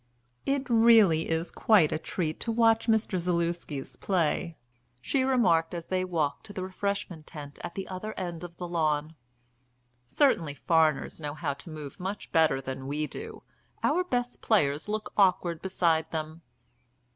"It is really quite a treat to watch Mr. Zaluski's play," she remarked as they walked to the refreshment tent at the other end of the lawn. "Certainly foreigners know how to move much better than we do: our best players look awkward beside them."